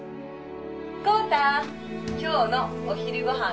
孝多今日のお昼ご飯は